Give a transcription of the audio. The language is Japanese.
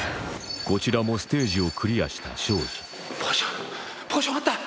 こちらもステージをクリアした庄司ポーション